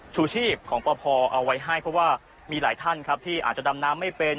ชูชีพของปภเอาไว้ให้เพราะว่ามีหลายท่านครับที่อาจจะดำน้ำไม่เป็น